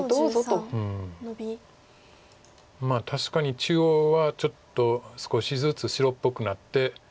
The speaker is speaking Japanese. まあ確かに中央はちょっと少しずつ白っぽくなって。